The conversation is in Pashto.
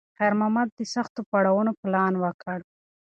خیر محمد د سختو پړاوونو پلان وکړ.